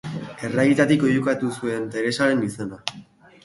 Erraietatik oihukatu nuen Teresaren izena.